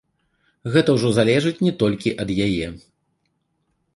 Гэта ўжо залежыць не толькі ад яе.